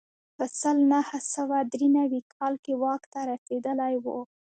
په سل نه سوه درې نوي کال کې واک ته رسېدلی و.